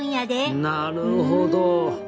なるほど。